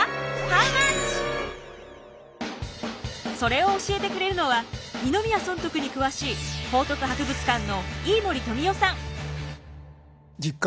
それを教えてくれるのは二宮尊徳に詳しい報徳博物館の飯森富夫さん。